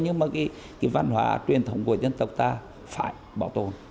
nhưng mà cái văn hóa truyền thống của dân tộc ta phải bảo tồn